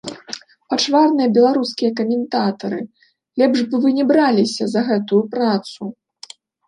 Пачварныя беларускія каментатары, лепш бы вы не браліся за гэтую працу!!!